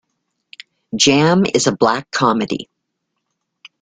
"Jam" is a black comedy.